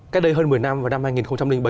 cách đây hơn một mươi năm vào năm hai nghìn bảy